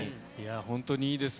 本当にいいです。